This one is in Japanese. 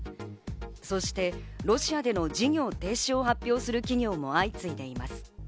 そしてロシアでの事業停止を発表する企業も相次いでいます。